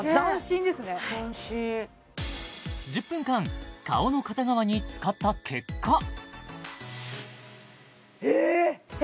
１０分間顔の片側に使った結果ええ！？